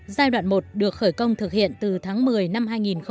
giai đoạn một được khởi công thực hiện từ tháng một mươi năm hai nghìn một mươi